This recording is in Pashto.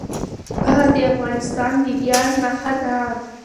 هغه د افغانستان د ویاړ نښه ده.